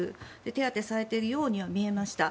手当てされているようには見えました。